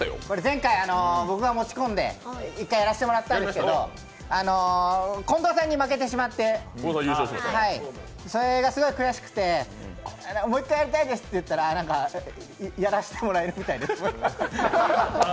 前回、僕が持ち込んで１回やらせてもらったんですけど近藤さんに負けてしまってそれがすごい悔しくてもう一回やりたいですと言ったらやらせてもらえるみたいです。